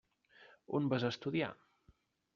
On vas estudiar?